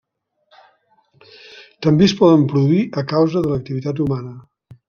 També es poden produir a causa de l'activitat humana.